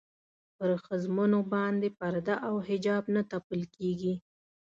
پر ښځمنو باندې پرده او حجاب نه تپل کېږي.